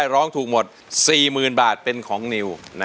ร้องถูกหมด๔๐๐๐๐บาทเป็นของนิวนะครับ